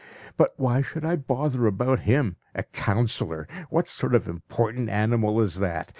But why should I bother about him? A councillor! What sort of important animal is that?